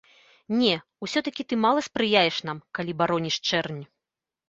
Не, усё-такі ты мала спрыяеш нам, калі бароніш чэрнь.